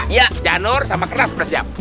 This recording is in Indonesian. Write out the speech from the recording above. iya janur sama kertas sudah siap